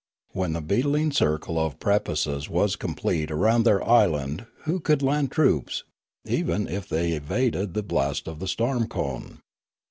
When the beetling circle of precipices was complete around their island who could land troops, even if they evaded the blast of the storm cone?